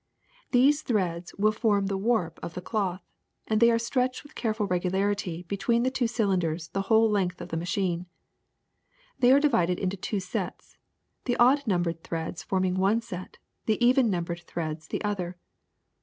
These threads will form the warp of the cloth, and they are stretched with careful regularity between the two cylinders the whole length of the machine. They are divided into two sets, the odd numbered threads forming one set, the even numbered threads the other.